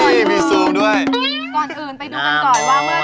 ก่อนอื่นไปดูกันก่อนว่าเมื่อสัปดาห์